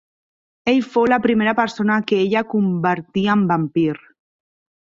Ell fou la primera persona que ella convertí en vampir.